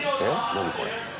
何これ。